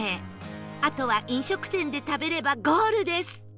あとは飲食店で食べればゴールです